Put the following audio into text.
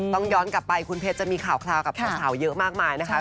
ต้องย้อนกลับไปคุณเพชรจะมีข่าวกับสาวเยอะมากมายนะคะ